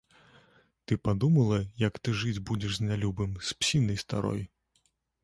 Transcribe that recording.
Ты падумала, як ты жыць будзеш з нялюбым, з псінай старой?